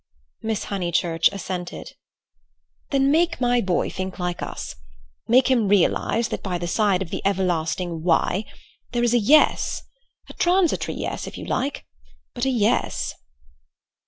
Miss Honeychurch assented. "Then make my boy think like us. Make him realize that by the side of the everlasting Why there is a Yes—a transitory Yes if you like, but a Yes."